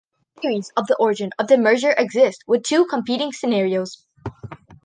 Theories of the origin of the merger exist, with two competing scenarios.